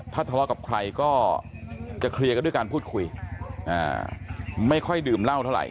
ถ้าทะเลาะกับใครก็จะเคลียร์กันด้วยการพูดคุยไม่ค่อยดื่มเหล้าเท่าไห